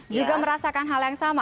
juga merasakan hal yang sama